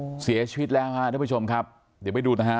เสียชีวิตแล้วฮะท่านผู้ชมครับเดี๋ยวไปดูนะฮะ